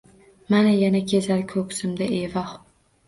Man, yana kezar ko’ksimda, evoh